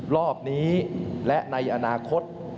รอบนี้และในอนาคต